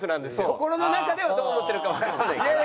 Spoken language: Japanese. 心の中ではどう思ってるかわからないから。